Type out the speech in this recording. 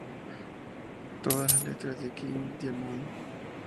Todas las letras de King Diamond.